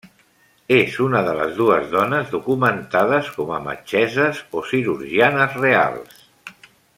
És una de les dues dones documentades com a metgesses o cirurgianes reals.